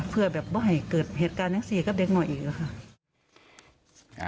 เพื่อไม่ให้เกิดเหตุการณ์แหละสิและเด็กหน่อยอีกค่ะ